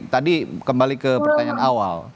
tadi kembali ke pertanyaan awal